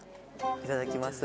いただきます。